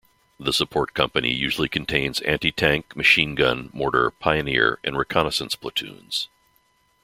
The support company usually contains anti-tank, machine gun, mortar, pioneer and reconnaissance platoons.